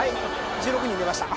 １６人出ました。